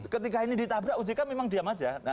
ketika ini ditabrak ojk memang diam aja